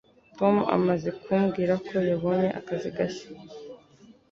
Tom amaze kumbwira ko yabonye akazi gashya.